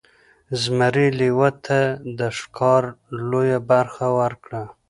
زمري لیوه ته د ښکار لویه برخه ورکړه.